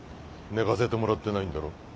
寝かせてもらってないんだろ。